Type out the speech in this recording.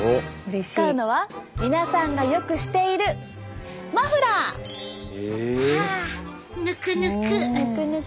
使うのは皆さんがよくしているマフラー。はあぬくぬく。